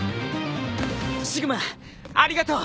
シグマありがとう。